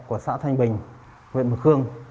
của xã thanh bình huyện mực khương